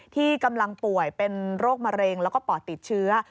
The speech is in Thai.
ที่กำลังป่วยเป็นโรคมะเร็งแล้วก็ปอดติดเชื้อ